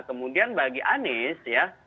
kemudian bagi anies ya